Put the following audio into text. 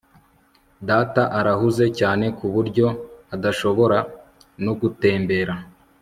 Data arahuze cyane kuburyo adashobora no gutembera